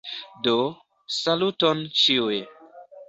Do, saluton ĉiuj.